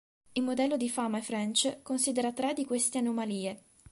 Il modello di Fama e French considera tre di queste anomalie.